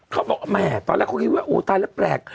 เขาบอกแหมตอนแรกเขาคิดว่าโอ้ตายแล้วแปลก